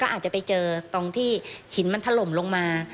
อาจจะไปเจอตรงที่หินมันถล่มลงมา